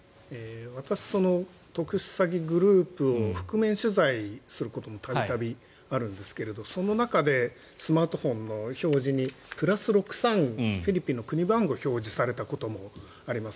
私特殊詐欺グループを覆面取材することも度々あるんですがその中でスマートフォンの表示に「＋６３」とフィリピンの国番号が表示されたこともあります。